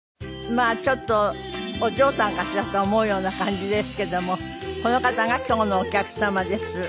まあちょっとお嬢さんかしらと思うような感じですけどもこの方が今日のお客様です。